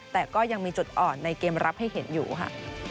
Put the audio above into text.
แต่ก็ยังมีจุดอ่อนในเกมรับให้เห็นอยู่ค่ะ